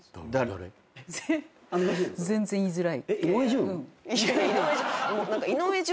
全然言いづらい？